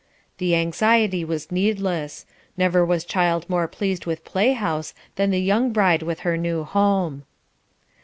The anxiety was needless; never was child more pleased with play house than the young bride with her new home.